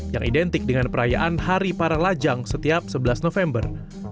yang identik dengan perayaan hari para lajang setiap sebelas november